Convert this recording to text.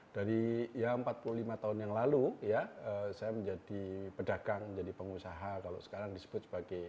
dari ya empat puluh lima tahun yang lalu ya saya menjadi pedagang menjadi pengusaha kalau sekarang disebut sebagai